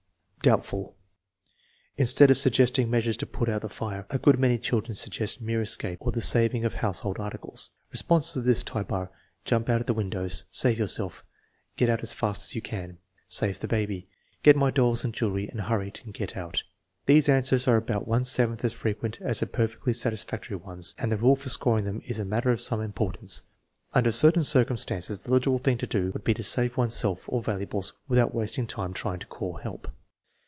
VI, 4 183 Doubtful. Instead of suggesting measures to put out the fire, a good many children suggest mere escape or the saving of house hold articles. Responses of this type are: "Jump out of the win dows/ 5 "Save yourself," * fc Get out as fast as you can," "Save the baby," "Get my dolls and jewelry and hurry and get out." These answers are about one seventh as frequent as the perfectly satis factory ones, and the rule for scoring them is a matter of some importance. Under certain circumstances the logical thing to do would be to save one's self or valuables without wasting time try ing to call help.